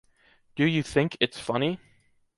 Do you think it's funny?